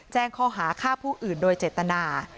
แจ้งข้อหาฆ่าผู้อื่นโดยเจตนา